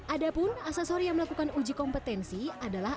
ada pun asesori yang melakukan uji kompetensi adalah